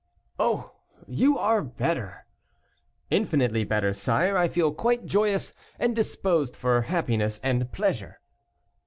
"Oh! you are better." "Infinitely better, sire; I feel quite joyous, and disposed for happiness and pleasure."